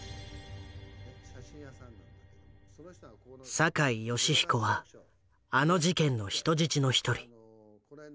酒井芳彦はあの事件の人質の一人。